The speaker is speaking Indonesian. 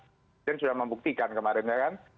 presiden sudah membuktikan kemarin ya kan